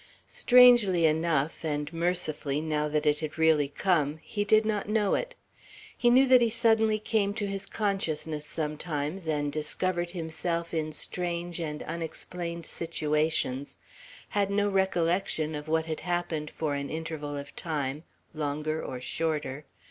Strangely enough, and mercifully, now that it had really come, he did not know it. He knew that he suddenly came to his consciousness sometimes, and discovered himself in strange and unexplained situations; had no recollection of what had happened for an interval of time, longer or shorter.